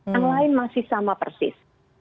yang lain masih sama persis